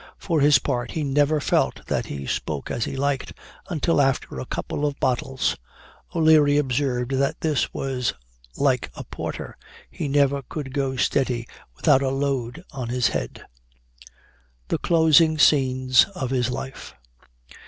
For his part, he never felt that he spoke as he liked, until after a couple of bottles. O'Leary observed, that this was like a porter; he never could go steady without a load on his head." THE CLOSING SCENES OF HIS LIFE.